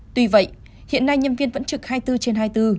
tuy vậy hiện nay nhân viên vẫn trực hai mươi bốn trên hai mươi bốn